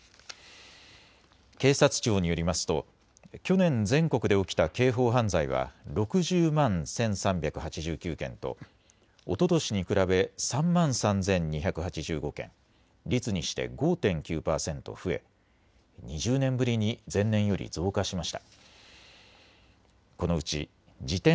警察庁によりますと去年、全国で起きた刑法犯罪は６０万１３８９件とおととしに比べ３万３２８５件、率にして５．９％増え２０年ぶりに前年より増加しました。